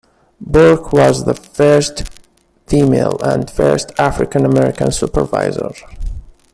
Burke was the first female and first African-American supervisor.